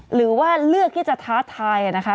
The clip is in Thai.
หรือว่าเลือกที่จะท้าทายนะคะ